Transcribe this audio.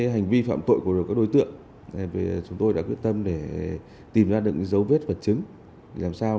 hành vi phạm tội của các đối tượng chúng tôi đã quyết tâm để tìm ra được những dấu vết vật chứng để làm sao